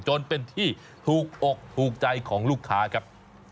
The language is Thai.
จนเป็นที่ถูกอกถูกใจของลูกค้าครับ